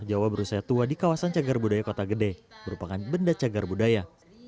jawa berusia tua di kawasan cagar budaya kota gede merupakan benda cagar budaya